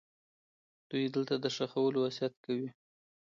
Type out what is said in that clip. دوی دلته د ښخولو وصیت کوي.